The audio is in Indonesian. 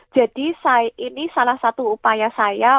jadi ini salah satu upaya saya